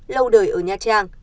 lâu đời ở nha trang